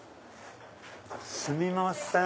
すみません。